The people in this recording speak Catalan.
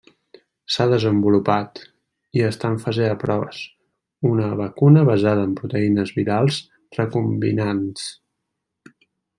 S'ha desenvolupat, i està en fase de proves, una vacuna basada en proteïnes virals recombinants.